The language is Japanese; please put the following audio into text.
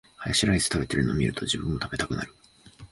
ハヤシライス食べてるの見ると、自分も食べたくなる